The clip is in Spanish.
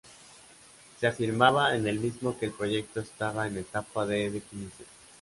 Se afirmaba en el mismo que el proyecto estaba en etapa de definición.